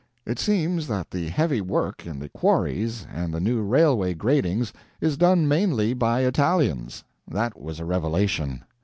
It seems that the heavy work in the quarries and the new railway gradings is done mainly by Italians. That was a revelation.